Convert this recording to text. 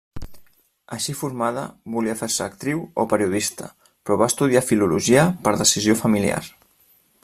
Així formada, volia fer-se actriu o periodista, però va estudiar filologia per decisió familiar.